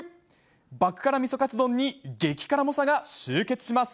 爆辛みそカツ丼に、激辛猛者が集結します。